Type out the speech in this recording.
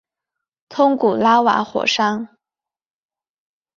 通古拉瓦火山。